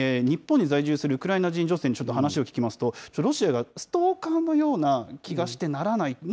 日本に在住するウクライナ人女性に話を聞きますと、ロシアがストーカーのような気がしてならない。